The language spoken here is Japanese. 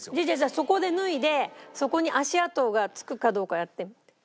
じゃあじゃあそこで脱いでそこに足跡が付くかどうかやって。